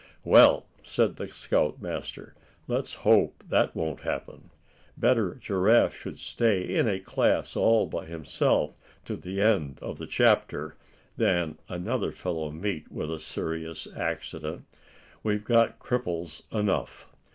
"Well," said the scoutmaster, "let's hope that won't happen. Better Giraffe should stay in a class all by himself to the end of the chapter, than another fellow meet with a serious accident. We've got cripples enough."